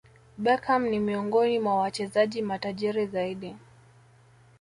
Beckham ni miongoni mwa wachezaji matajiri zaidi